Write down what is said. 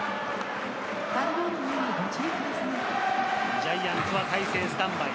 ジャイアンツは大勢がスタンバイ。